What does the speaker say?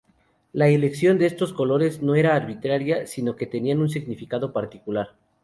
La elección de estos colores no era arbitraria sino que tenían un significado particular.